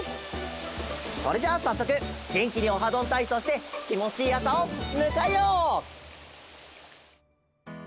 それじゃあさっそくげんきに「オハどんたいそう」してきもちいいあさをむかえよう！